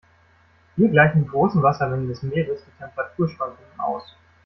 Hier gleichen die großen Wassermengen des Meeres die Temperaturschwankungen aus.